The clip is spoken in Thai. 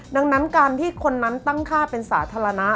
ดังนั้นการที่คนนั้นตั้งค่าเป็นสาธารณะ